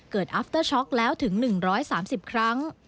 อัพเตอร์ช็อกแล้วถึง๑๓๐ครั้ง